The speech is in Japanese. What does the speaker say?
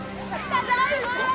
ただいま！